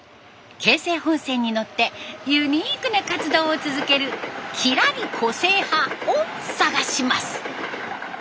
京成本線に乗ってユニークな活動を続ける「キラリ個性派」を探します。